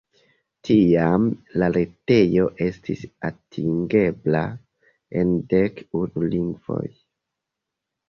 Tiam la retejo estis atingebla en dek unu lingvoj.